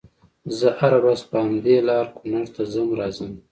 زه هره ورځ په همدې لار کونړ ته ځم راځم